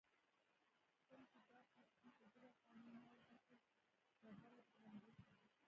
اخيستونکی: دا پوستین په زر افغانۍ نه ارزي؛ کس ډبره درباندې اېښې ده.